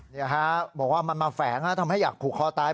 นี่ฮะบอกว่ามันมาแฝงทำให้อยากผูกคอตาย